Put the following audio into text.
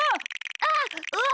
あっうわっ！